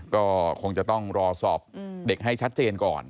ก็คงจะต้องรอสอบเด็กให้ชัดเจนก่อน